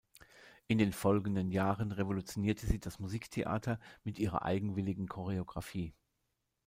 In den folgenden Jahren revolutionierte sie das Musiktheater mit ihrer eigenwilligen Choreographie.